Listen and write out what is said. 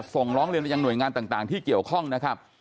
ส่งร้องเรียนไปยังหน่วยงานต่างที่เกี่ยวข้องนะครับ